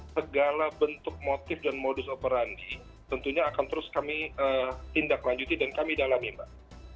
segala bentuk motif dan modus operandi tentunya akan terus kami tindak lanjuti dan kami dalami mbak